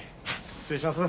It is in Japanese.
失礼します。